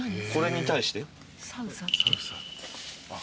これに対して。